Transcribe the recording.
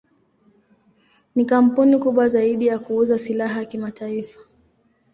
Ni kampuni kubwa zaidi ya kuuza silaha kimataifa.